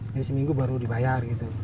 jadi seminggu baru dibayar gitu